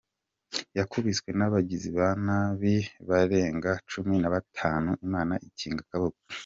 Yakubiswe n’abagizi ba nabi barenga Cumi Nabatanu Imana ikinga akaboko